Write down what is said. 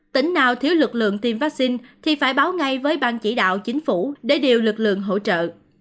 tỉnh nào thiếu lực lượng tiêm vaccine thì phải báo ngay với ban chỉ đạo chính phủ để điều lực lượng hỗ trợ